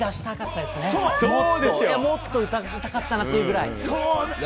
もっと歌を聴きたかったなというぐらいです。